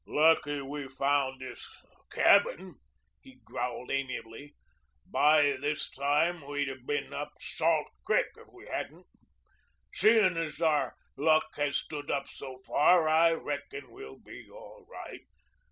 "Lucky we found this cabin," he growled amiably. "By this time we'd 'a' been up Salt Creek if we hadn't. Seeing as our luck has stood up so far, I reckon we'll be all right.